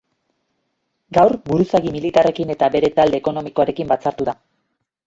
Gaur buruzagi militarrekin eta bere talde ekonomikoarekin batzartuko da.